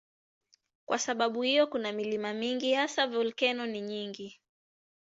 Kwa sababu hiyo kuna milima mingi, hasa volkeno ni nyingi.